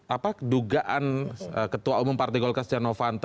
apa dugaan ketua umum partai golkar stiano fanto